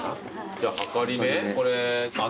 じゃあはかりめこれ。